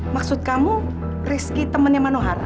maksud kamu reski temennya manohara